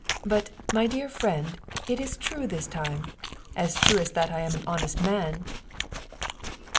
But, my dear friend, it is true this time, as true as that I am an honest man."